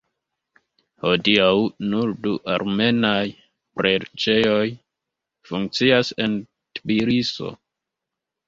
Hodiaŭ nur du armenaj preĝejoj funkcias en Tbiliso.